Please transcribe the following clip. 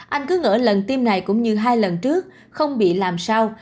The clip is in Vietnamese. anh cứ ngỡ lần tiêm này cũng như hai lần trước không bị làm sao